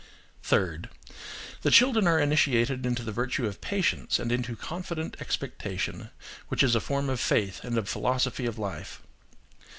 Third. The children are initiated into the virtue of patience and into confident expectation, which is a form of faith and of philosophy of life.